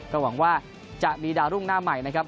ก็หวังว่าจะมีดาวรุ่งหน้าใหม่นะครับ